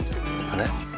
あれ？